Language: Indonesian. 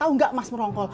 aduh ya kan